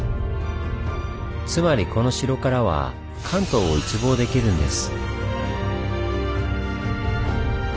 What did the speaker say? つまりこの城からは関東を一望できるんです。